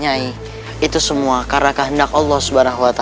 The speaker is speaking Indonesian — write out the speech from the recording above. nyai itu semua karenakah hendak allah swt